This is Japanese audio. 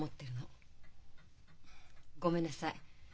ごめんなさい。